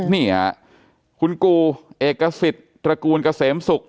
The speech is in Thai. นี่ค่ะคุณกูเอกสิทธิ์ตระกูลเกษมศุกร์